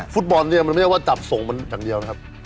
ฟุตบอลเนี่ยมันไม่ใช่ว่าจับส่งมันอย่างเดียวนะครับ